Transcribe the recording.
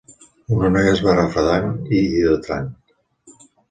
Una noia es va refredant i hidratant.